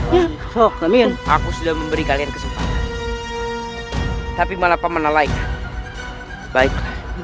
yang sohlamin aku sudah memberi kalian kesempatan tapi malah paman alaika baik